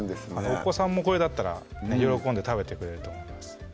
お子さんもこれだったら喜んで食べてくれると思います